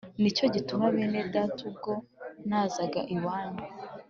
Ni cyo gituma bene data ubwo nazaga iwanyu